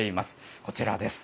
こちらです。